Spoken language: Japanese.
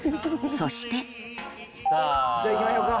そしてじゃあいきまひょか！